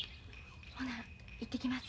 ほな行ってきます。